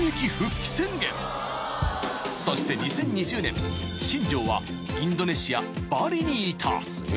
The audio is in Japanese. ［そして２０２０年新庄はインドネシアバリにいた！］